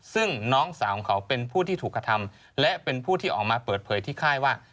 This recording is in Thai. ซึ่งน้องสาวของเขาเป็นผู้ที่ถูกกระทำและเป็นผู้ที่ออกมาเปิดเผยที่ค่ายว่า